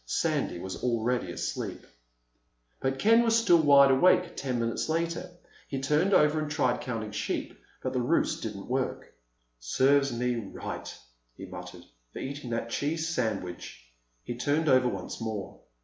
Sandy was already asleep. But Ken was still wide awake ten minutes later. He turned over and tried counting sheep, but the ruse didn't work. "Serves me right," he muttered, "for eating that cheese sandwich." He turned over once more.